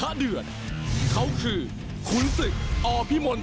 อ้าววิทยามา